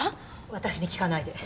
私に聞かないで。